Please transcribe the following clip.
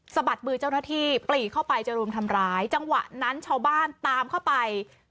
บัดมือเจ้าหน้าที่ปลีกเข้าไปจะรุมทำร้ายจังหวะนั้นชาวบ้านตามเข้าไป